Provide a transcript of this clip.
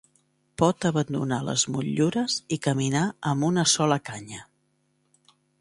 Pot abandonar les motllures i caminar amb una sola canya.